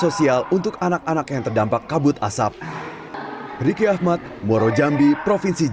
sosial untuk anak anak yang terdampak kabut asap